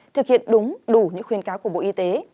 thực hiện đúng đủ những khuyên cáo của bộ y tế